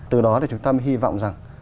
từ đó thì chúng ta mới hy vọng rằng